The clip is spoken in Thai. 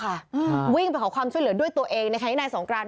เค้าเรามีความช่วยเหลือด้วยตัวเองในใคะที่นายสงคราน